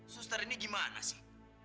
suster ini gimana sih